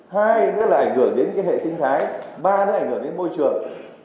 hai nữa là ảnh hưởng đến hệ sinh thái ba nữa là ảnh hưởng đến môi trường